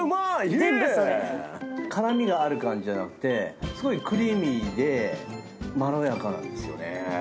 辛味がある感じじゃなくてすごいクリーミーでまろやかなんですよね。